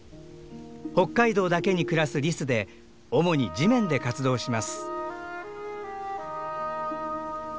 北海道だけに暮らすリスで主に地面で活動します。